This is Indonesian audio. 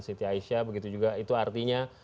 siti aisyah begitu juga itu artinya